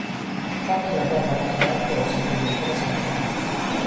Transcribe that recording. Атлантын далай болоод Галфын урсгал нь Британийн цаг агаарт нөлөөлдөг.